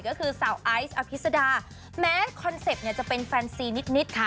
ก็คือสาวไอซ์อภิษดาแม้คอนเซ็ปต์เนี่ยจะเป็นแฟนซีนิดค่ะ